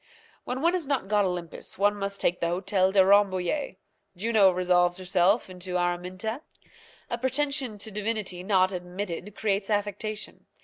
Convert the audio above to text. When one has not got Olympus, one must take the Hôtel de Rambouillet. Juno resolves herself into Araminta. A pretension to divinity not admitted creates affectation.